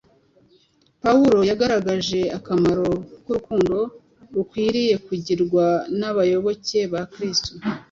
pawulo yagaragaje akamaro k’urukundo rukwiriye kugirwa n’abayoboke ba kristo